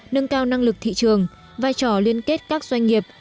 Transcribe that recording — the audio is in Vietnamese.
nâng cao năng lực thị trường vai trò liên kết các doanh nghiệp